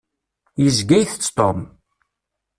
Yezga itett Tom.